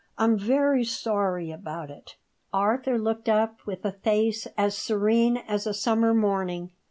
I'm very sorry about it." Arthur looked up with a face as serene as a summer morning.